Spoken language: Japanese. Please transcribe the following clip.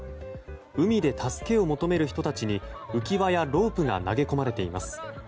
海で助けを求める人たちに浮き輪やロープが投げ込まれています。